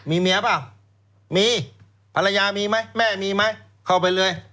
มีเมียเปล่ามีภรรยามีไหมแม่มีไหมเข้าไปเลย